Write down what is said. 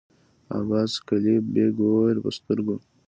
عباس قلي بېګ وويل: په سترګو!